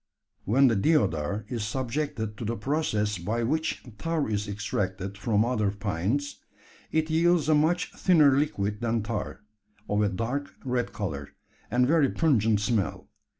When the deodar is subjected to the process by which tar is extracted from other pines, it yields a much thinner liquid than tar of a dark red colour, and very pungent smell.